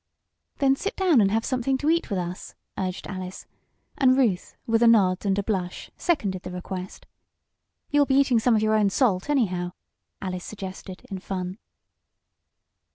"Then sit down and have something to eat with us," urged Alice, and Ruth, with a nod and a blush, seconded the request. "You'll be eating some of your own salt, anyhow," Alice suggested, in fun.